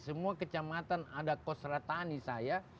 semua kecamatan ada kos ratani saya